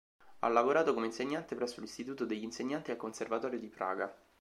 Ha lavorato come insegnante presso l'Istituto degli insegnanti e al Conservatorio di Praga.